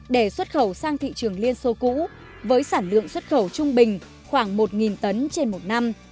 để xuất khẩu sang thị trường liên xô cũ với sản lượng xuất khẩu trung bình khoảng một tấn trên một năm